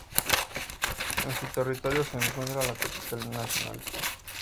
En su territorio se encuentra la capital nacional Suva.